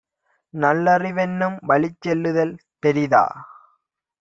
நல்லறி வென்னும்வழிச் செல்லுதல் பெரிதா?